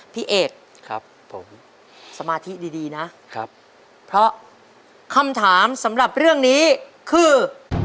พี่เอดสมาธิดีนะคำถามสำหรับเรื่องนี้คือ